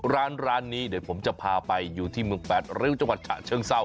ร้านนี้เดี๋ยวผมจะพาไปอยู่ที่เมืองแปดริ้วจังหวัดฉะเชิงเศร้า